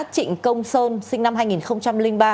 trịnh công sơn sinh năm hai nghìn ba